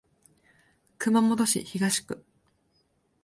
熊本市東区